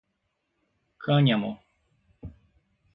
cânhamo